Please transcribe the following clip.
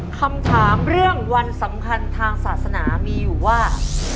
คำถามเรื่องวันสำคัญทางศาสนามีอยู่ว่า